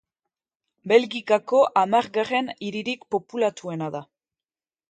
Belgikako hamargarren hiririk populatuena da.